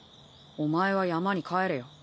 お前は山に帰れよ。